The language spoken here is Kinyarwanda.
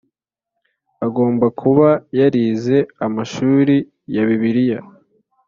Agomba kuba yarize amashurii ya Bibiliya